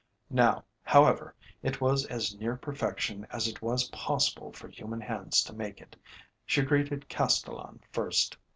Now, however, it was as near perfection as it was possible for human hands to make it. She greeted Castellan first.